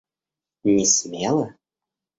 Не смела?